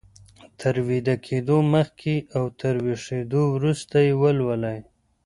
تر ويده کېدو مخکې او تر ويښېدو وروسته يې ولولئ.